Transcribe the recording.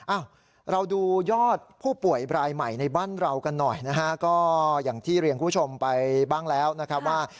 อ้าวเราดูยอดผู้ป่วยรายใหม่ในบ้านเรากันหน่อยนะฮะก็อย่างที่เรียนคุณผู้ชมไปบ้างแล้วนะครับว่า